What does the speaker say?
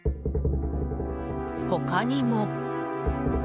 他にも。